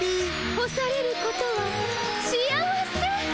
干されることは幸せ。